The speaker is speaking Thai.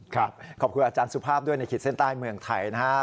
ขอบคุณอาจารย์สุภาพด้วยในขีดเส้นใต้เมืองไทยนะฮะ